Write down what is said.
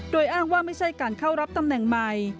โดยอ้างว่าไม่ใช่การเข้ารับตำแหน่งใหม่